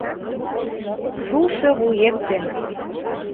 Шушо вует ден!